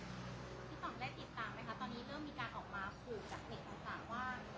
ตอนนี้เริ่มมีการออกมาคุยกับเด็กอังสารว่าสมมุติถ้ามีการขับส่องส่องภูมิอัดออกไปถึงนะครับ